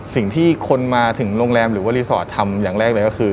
สิ่งที่คนมาถึงโรงแรมหรือว่ารีสอร์ททำอย่างแรกเลยก็คือ